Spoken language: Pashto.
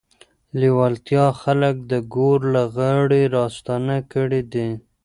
لېوالتیا خلک د ګور له غاړې راستانه کړي دي.